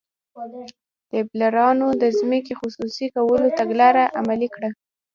لیبرالانو د ځمکې خصوصي کولو تګلاره عملي کړه.